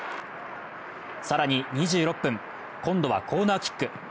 更に２６分、今度はコーナーキック。